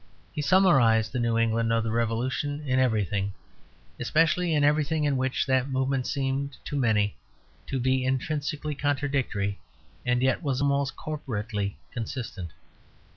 He summarized the new England of the Revolution in everything, especially in everything in which that movement seems to many to be intrinsically contradictory and yet was most corporately consistent.